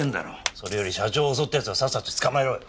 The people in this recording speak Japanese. それより社長を襲った奴をさっさと捕まえろよ！